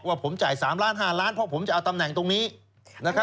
ว่าผมจ่ายสามล้านห้าล้านเพราะผมจะเอาตำแหน่งตรงนี้นะครับ